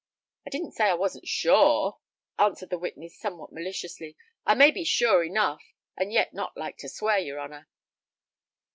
"I didn't say I wasn't sure," answered the witness, somewhat maliciously. "I may be sure enough, and yet not like to swear, your honour."